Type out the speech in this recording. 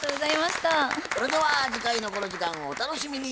それでは次回のこの時間をお楽しみに。